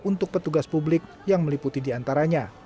untuk petugas publik yang meliputi di antaranya